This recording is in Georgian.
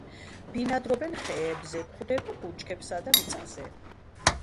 ბინადრობენ ხეებზე, გვხვდება ბუჩქებსა და მიწაზე.